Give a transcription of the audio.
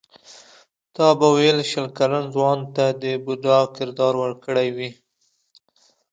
تا به ویل شل کلن ځوان ته د بوډا کردار ورکړی وي.